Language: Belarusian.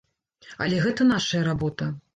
Але гэта нашая работа.